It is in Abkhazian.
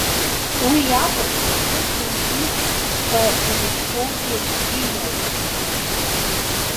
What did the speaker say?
Уи иакәым, нышәынҭрист ҳәа узышьҭоугьы имоуп.